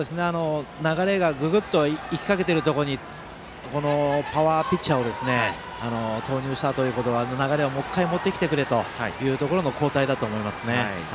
流れがググッといきかけているところにパワーピッチャーを投入したということは流れをもう１回持ってきてくれという交代だと思いますね。